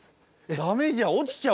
ダメじゃん落ちちゃうよ。